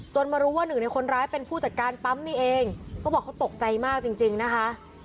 มารู้ว่าหนึ่งในคนร้ายเป็นผู้จัดการปั๊มนี่เองเขาบอกเขาตกใจมากจริงจริงนะคะ